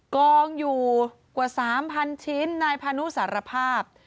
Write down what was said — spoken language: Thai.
กองอยู่กว่า๓๐๐ชิ้นนายพานุสารภาพ